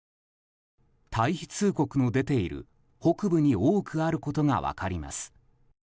退避通告の出ている北部に多くあることが分かります。